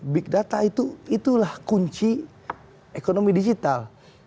big data itu itulah kunci ekonomi digital